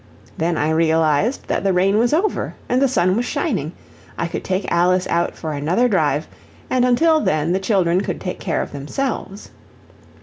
Then I realized that the rain was over, and the sun was shining I could take Alice out for another drive, and until then the children could take care of themselves.